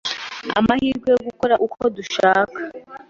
Amahirwe yo gukora uko dushaka,